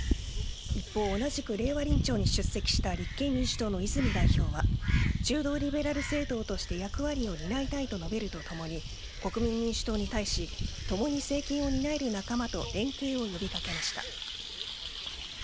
一方、同じく令和臨調に出席した立憲民主党の泉代表は中道リベラル政党として役割を担いたいと述べるとともに国民民主党に対し共に政権を担える仲間と連携を呼び掛けました。